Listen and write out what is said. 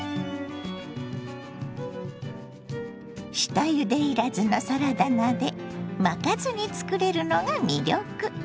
下ゆでいらずのサラダ菜で巻かずに作れるのが魅力。